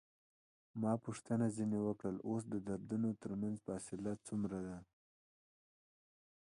ما پوښتنه ځنې وکړل: اوس د دردونو ترمنځ فاصله څومره ده؟